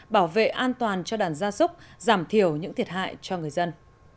bảo vệ an toàn cho đàn gia súc giảm thiểu những thiệt hại cho người dân